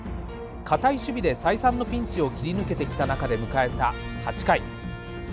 堅い守備で再三のピンチを切り抜けてきた中で迎えた８回。